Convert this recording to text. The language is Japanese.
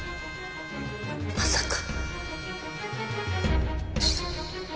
まさか。